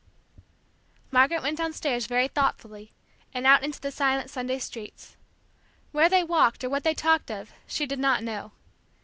Margaret went downstairs very thoughtfully, and out into the silent Sunday streets. Where they walked, or what they talked of, she did not know.